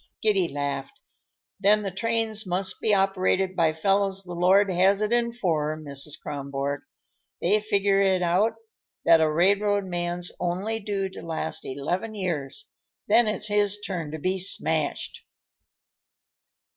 Giddy laughed. "Then the trains must be operated by fellows the Lord has it in for, Mrs. Kronborg. They figure it out that a railroad man's only due to last eleven years; then it's his turn to be smashed."